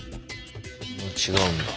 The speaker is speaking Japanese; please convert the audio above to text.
違うんだ。